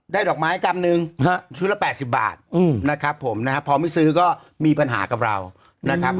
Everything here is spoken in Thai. ดอกไม้กำนึงชุดละ๘๐บาทนะครับผมนะครับพอไม่ซื้อก็มีปัญหากับเรานะครับ